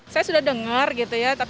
saya sudah dengar gitu ya